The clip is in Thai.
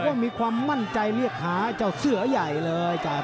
ตกว่ามีความมั่นใจไม่มีความค้าเจ้าเสื้อใหญ่เลยจ้ะ